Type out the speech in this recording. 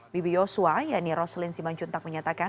bibi yosua yanni roselin simanjuntak menyatakan